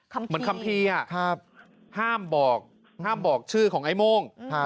คำคีคำคีอ่ะครับห้ามบอกห้ามบอกชื่อของไอ้โมงครับ